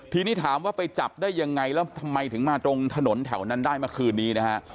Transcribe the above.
ทีนี้ถามว่าไปจับได้ยังไงแล้วทำไมถึงมาตรงถนนแถวนั้นได้เมื่อคืนนี้นะฮะ